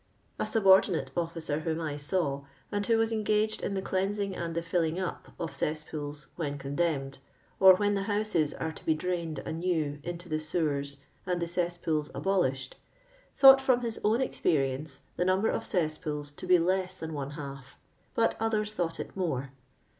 A subordinate officer whom 1 saw, and who was engaged in the cleansing and the filling up of cesspools when condemned, or when the houses are to be drained anew into the sewers and the cess pools abolished, thought from his own exi)eri ence, the number of cesspools to be less than one half, but others thought it more.